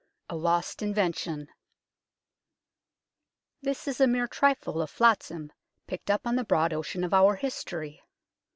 XV A LOST INVENTION THIS is a mere trifle of flotsam picked up on the broad ocean of our history.